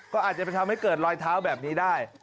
ก็อาจจะไปทำให้เกิดรอยเท้าแบบนี้ได้